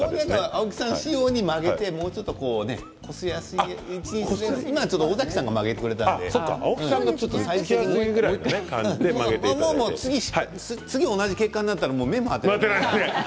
青木さん仕様に曲げてもうちょっとこすりやすい位置に今尾崎さんが曲げてくれたから次、同じ結果になったらもう目も当てられない。